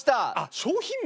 商品名。